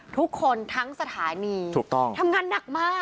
ทุกคนทั้งสถานีทำงานหนักมาก